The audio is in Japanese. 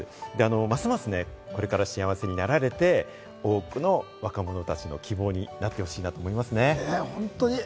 ますますこれから幸せになられて、多くの若者たちの希望になってほしいなと思いますね。